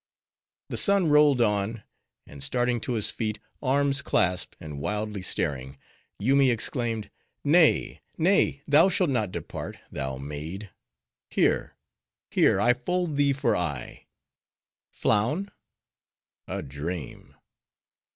The sun rolled on. And starting to his feet, arms clasped, and wildly staring, Yoomy exclaimed—"Nay, nay, thou shalt not depart, thou maid!—here, here I fold thee for aye!—Flown?—A dream!